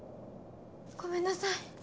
ごめんなさい。